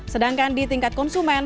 sedangkan di tingkat konsumen